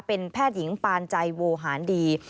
เป็นแพทย์หญิงปานใจโวหารดี